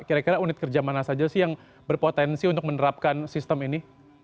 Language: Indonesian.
kira kira unit kerja mana saja sih yang berpotensi untuk menerapkan sistem ini